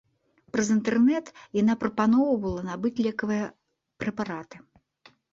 Праз інтэрнэт яна прапаноўвала набыць лекавыя прэпараты.